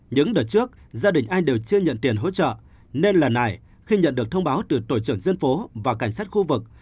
những đợt trước gia đình anh đều chưa nhận tiền hỗ trợ nên lần này khi nhận được thông báo từ tổ trưởng dân phố và cảnh sát khu vực